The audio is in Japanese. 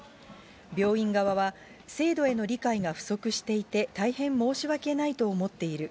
病院側は、制度への理解が不足していて、大変申し訳ないと思っている。